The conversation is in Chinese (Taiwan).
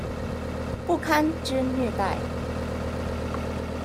不堪之虐待